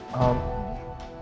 boleh tante boleh